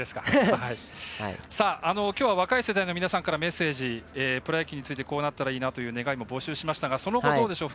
きょうは若い世代の皆さんからメッセージ、プロ野球についてこうなったらいいなという願い募集しましたがその後、どうでしょう。